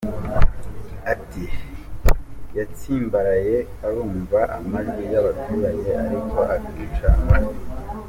Ati “Yatsimbaraye, arumva amajwi y’abaturage ariko akica amatwi.